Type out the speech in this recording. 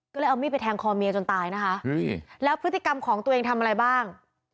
ก็เลยเอามีดไปแทงคอเมียจนตายนะคะแล้วพฤติกรรมของตัวเองทำอะไรบ้าง